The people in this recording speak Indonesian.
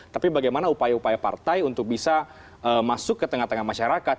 tapi bagaimana upaya upaya partai untuk bisa masuk ke tengah tengah masyarakat